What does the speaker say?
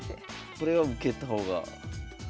これは受けた方が。